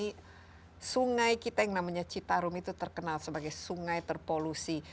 kita sudah lihat ya di indonesia ini sungai kita yang namanya citarum itu terkenal sebagai sungai terpolusi